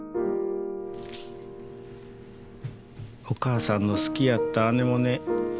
お母さんの好きやったアネモネ